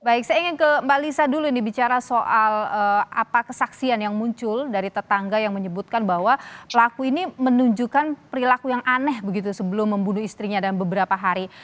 baik saya ingin ke mbak lisa dulu ini bicara soal apa kesaksian yang muncul dari tetangga yang menyebutkan bahwa pelaku ini menunjukkan perilaku yang aneh begitu sebelum membunuh istrinya dalam beberapa hari